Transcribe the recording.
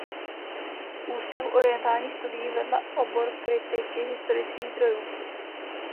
V Ústavu orientálních studií vedla obor kritiky historických zdrojů.